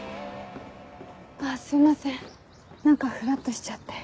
あっすいません何かふらっとしちゃって。